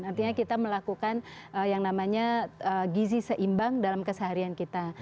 artinya kita melakukan yang namanya gizi seimbang dalam keseharian kita